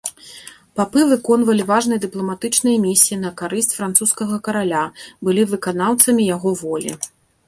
Папы выконвалі важныя дыпламатычныя місіі на карысць французскага караля, былі выканаўцамі яго волі.